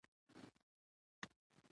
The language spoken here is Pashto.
''لېوي ستراس د لرغونو ټولنو له مطالعې